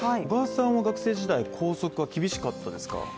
小川さんは学生時代校則は厳しかったですか？